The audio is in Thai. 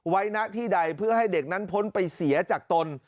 ณที่ใดเพื่อให้เด็กนั้นพ้นไปเสียจากตน